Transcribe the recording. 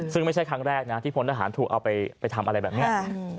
ซึ่งไม่ใช่ครั้งแรกนะที่พลทหารถูกเอาไปทำอะไรแบบนี้